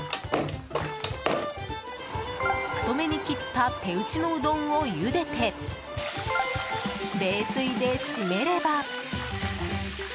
太めに切った手打ちのうどんをゆでて冷水で締めれば。